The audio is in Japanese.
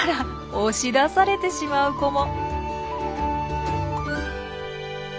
押し出されてしまう子も。